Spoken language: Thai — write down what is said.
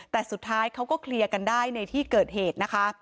แต่สุดท้ายเขาก็เคลียร์กันได้ในที่เกิดเหตุนะคะ